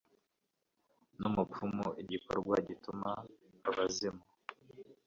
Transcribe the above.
n'umupfumu, igikorwa gituma abazimu